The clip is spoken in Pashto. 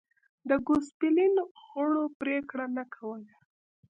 د ګوسپلین غړو پرېکړه نه کوله